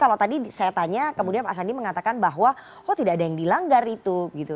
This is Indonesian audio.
kalau tadi saya tanya kemudian pak sandi mengatakan bahwa oh tidak ada yang dilanggar itu gitu